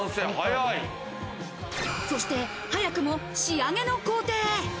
そして、早くも仕上げの工程。